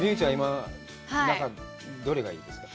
どれがいいですか？